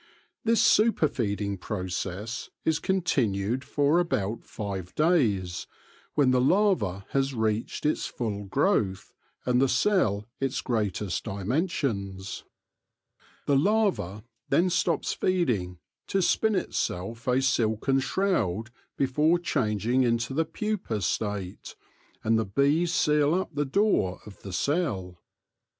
This superfeeding process is con tinued for about five days, when the larva has reached its full growth and the cell its greatest dimensions. The larva then stops feeding to spin itself a silken shroud before changing into the pupa state, and the bees seal up the door of the cell.